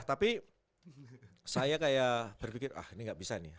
tapi saya kayak berpikir ah ini nggak bisa nih